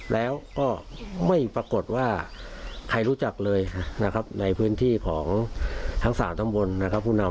แล้วก็ไม่ปรากฏว่าใครรู้จักเลยในพื้นที่ของทั้งสามท่องบน